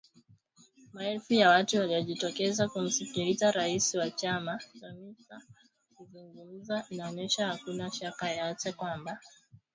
Maelfu ya watu waliojitokeza kumsikiliza rais wa chama Chamisa akizungumza inaonyesha hakuna shaka yoyote kwamba wananchi wamejiandaa kupiga kura.